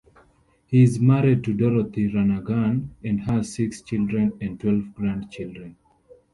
He is married to Dorothy Ranaghan, and has six children and twelve grandchildren.